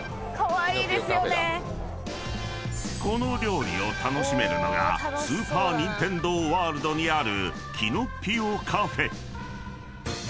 ［この料理を楽しめるのがスーパー・ニンテンドー・ワールドにある］